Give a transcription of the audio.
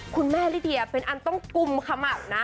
คุณแม่ลิเดียเป็นอันต้องกุมขมับนะ